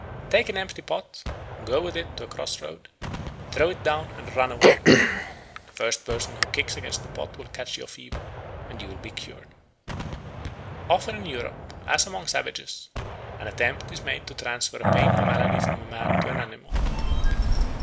Take an empty pot, go with it to a cross road, throw it down, and run away. The first person who kicks against the pot will catch your fever, and you will be cured. Often in Europe, as among savages, an attempt is made to transfer a pain or malady from a man to an animal.